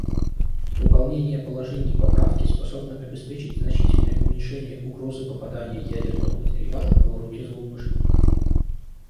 Выполнение положений Поправки способно обеспечить значительное уменьшение угрозы попадания ядерного материала в руки злоумышленников.